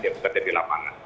yang terdiri di lapangan